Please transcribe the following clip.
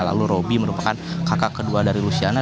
lalu robby merupakan kakak kedua dari lusiana